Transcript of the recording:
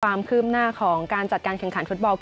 ความคืบหน้าของการจัดการแข่งขันฟุตบอล